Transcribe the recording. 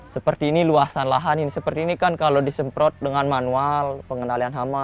seperti ini luasan lahan seperti ini kan kalau disemprot dengan manual pengenalan hama